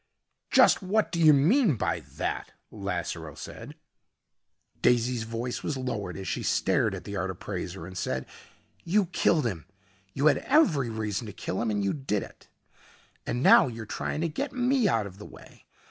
"Just what do you mean by that?" Lasseroe said. Daisy's voice was lowered as she stared at the art appraiser and said, "You killed him. You had every reason to kill him, and you did it. And now you're trying to get me out of the way.